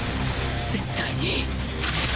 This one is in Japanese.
絶対に